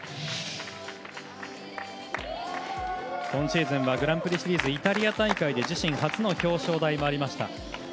今シーズンはグランプリシリーズイタリア大会で自身初の表彰台もありました。